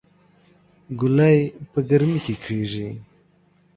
ګلۍ په ګرمۍ کې کيږي